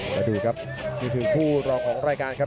แล้วดูครับนี่คือคู่รองของรายการครับ